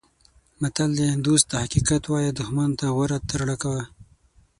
متل دی: دوست ته حقیقت وایه دوښمن ته غوره ترړه کوه.